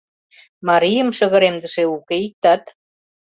Марийым шыгыремдыше уке иктат.